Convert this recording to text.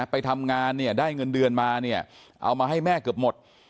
ไปทำงานเนี่ยได้เงินเดือนมาเนี่ยเอามาให้แม่เกือบหมด